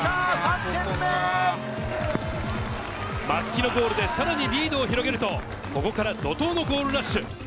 松木のゴールでさらにリードを広げると、ここから怒涛のゴールラッシュ。